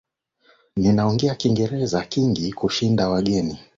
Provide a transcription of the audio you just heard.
Nina Ongea kiingereza kingi kushinda wengine